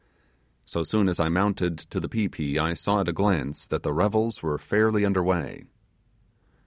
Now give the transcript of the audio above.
So soon as I mounted to the pi pi I saw at a glance that the revels were fairly under way.